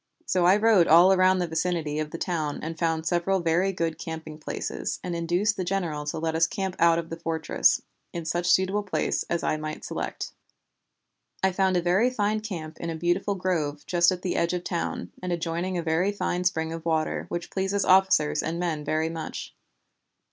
So I rode all round the vicinity of the town and found several very good camping places, and induced the general to let us camp out of the fortress, in such suitable place as I might select. I found a very fine camp in a beautiful grove just at the edge of the town, and adjoining a very fine spring of water, which pleases officers and men very much.